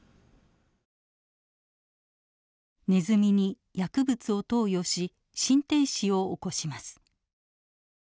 ネズミに薬物を投与し心停止を起こします。